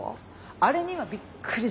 あれにはびっくりした。